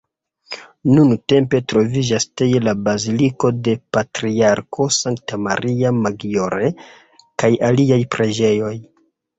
Nuntempe troviĝas tie la baziliko de la patriarko Santa Maria Maggiore kaj aliaj preĝejoj.